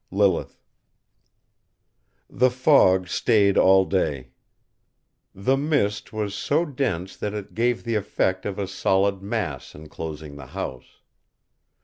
LILITH. The fog stayed all day. The mist was so dense that it gave the effect of a solid mass enclosing the house.